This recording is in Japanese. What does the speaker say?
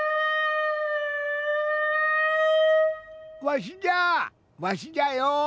わしじゃわしじゃよ。